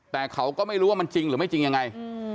แต่เขาก็ไม่รู้ว่ามันจริงหรือไม่จริงยังไง